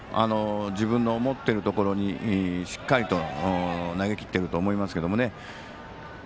自分の思っているところにしっかりと投げきってると思いますけどね。